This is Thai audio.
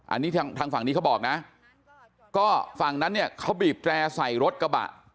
อันนี้ทางทางฝั่งนี้เขาบอกนะก็ฝั่งนั้นเนี่ยเขาบีบแตร่ใส่รถกระบะ